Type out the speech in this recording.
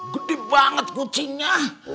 gede banget kucingnya